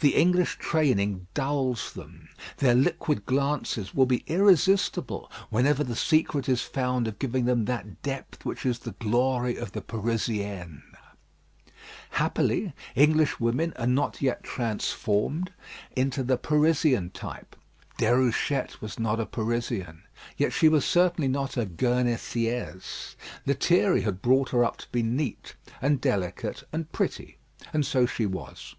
The English training dulls them. Their liquid glances will be irresistible whenever the secret is found of giving them that depth which is the glory of the Parisienne. Happily Englishwomen are not yet quite transformed into the Parisian type. Déruchette was not a Parisian; yet she was certainly not a Guernesiaise. Lethierry had brought her up to be neat and delicate and pretty; and so she was.